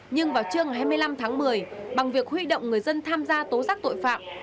nhưng vào trưa ngày hai mươi năm tháng một mươi bằng việc huy động người dân tham gia tố giác tội phạm